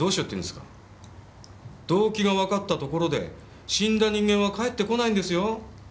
動機がわかったところで死んだ人間は帰ってこないんですよ。